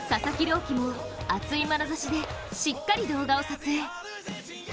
希も熱いまなざしでしっかり動画を撮影。